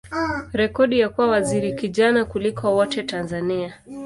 rekodi ya kuwa waziri kijana kuliko wote Tanzania.